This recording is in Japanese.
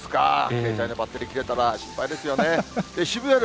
携帯のバッテリー切れたら、心配ですよね。